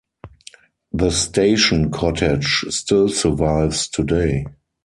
The station cottage still survives today.